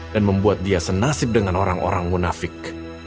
dan membuat dia senasib dengan orang orang munafik